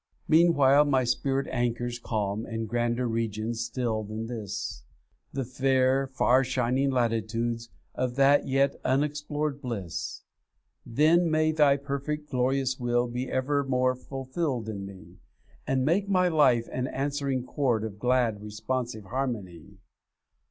'Meanwhile my spirit anchors calm In grander regions still than this; The fair, far shining latitudes Of that yet unexplorèd bliss. 'Then may Thy perfect, glorious will Be evermore fulfilled in me, And make my life an answ'ring chord Of glad, responsive harmony.